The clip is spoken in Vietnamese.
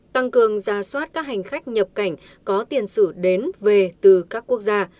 tăng cường ra soát các hành khách nhập cảnh có tiền sử đến về từ các quốc gia